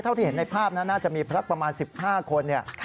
เท่าที่เห็นในภาพนั้นน่าจะมีสักประมาณ๑๕คนเนี่ย